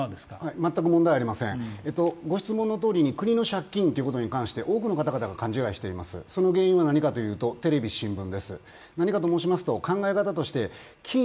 全く問題ありません、国の借金ということに関して多くの方々が勘違いしていて、その原因は何かというとテレビ、新聞です。